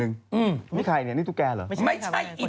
นี่ใครเนี่ยนี่ตุ๊กแก่เหรอไม่ใช่ไอ้บ้าไม่ใช่คนจับได้